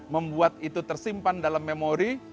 membuat itu tersimpan dalam memori